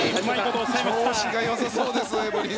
調子がよさそうですね。